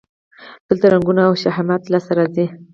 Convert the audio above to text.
دلته رنګونه او شهمیات لاسته راځي.